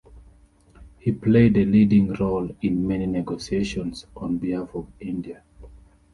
He played a leading role in many negotiations on behalf of India.